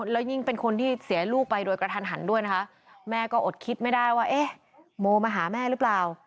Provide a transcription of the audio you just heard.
เลยก็เล่าว่าเอยโมมาหาแม่รึเปล่า